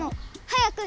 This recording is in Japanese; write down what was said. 早く！